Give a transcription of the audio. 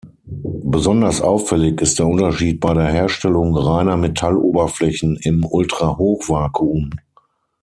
Besonders auffällig ist der Unterschied bei der Herstellung reiner Metalloberflächen im Ultrahochvakuum.